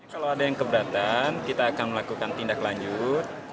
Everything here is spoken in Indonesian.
kalau ada yang keberatan kita akan melakukan tindaklanjut